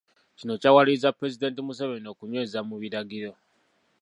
Kino kyawalirizza Pulezidenti Museveni okunyweza mu biragiro